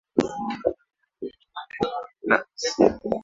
na asiye ugwa mkono na jumuiya ya kimataifa